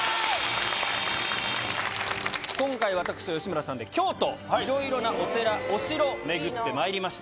今回私と吉村さんで京都いろいろなお寺お城巡ってまいりました。